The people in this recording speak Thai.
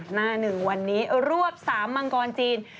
หน้าหนึ่งวันนี้รวบ๓มังกรจีน